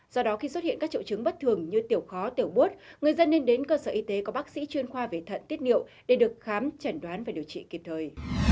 do đó khi xuất hiện các triệu chứng bất thường như tiểu khó tiểu bút người dân nên đến cơ sở y tế có bác sĩ chuyên khoa về thận tiết niệu để được khám chẩn đoán và điều trị kịp thời